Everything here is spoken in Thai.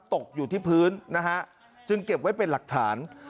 ตกอยู่ที่พื้นนะฮะจึงเก็บไว้เป็นหลักฐาน